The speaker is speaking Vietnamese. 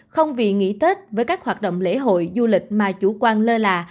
không vì nghỉ tết với các hoạt động lễ hội du lịch mà chủ quan lơ là